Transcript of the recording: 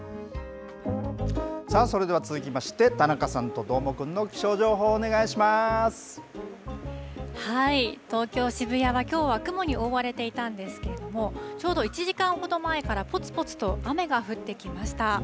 さあ、それでは続きまして、田中さんとどーもくんの気象情報、東京・渋谷は、きょうは雲に覆われていたんですけれども、ちょうど１時間ほど前から、ぽつぽつと雨が降ってきました。